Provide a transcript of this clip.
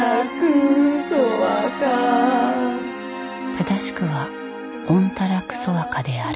正しくはオンタラクソワカである。